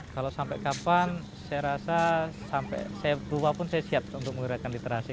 kalau sampai kapan saya rasa sampai saya berubah pun saya siap untuk menggerakkan literasi